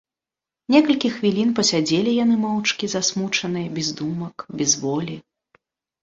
Некалькі хвілін пасядзелі яны моўчкі, засмучаныя, без думак, без волі.